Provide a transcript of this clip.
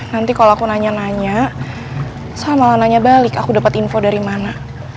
nanti kalau aku nanya nanya saya malah nanya balik aku dapat info dari mana